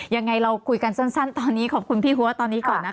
ยังไงเราคุยกันสั้นตอนนี้ขอบคุณพี่หัวตอนนี้ก่อนนะคะ